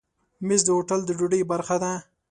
مېز د هوټل د ډوډۍ برخه ده.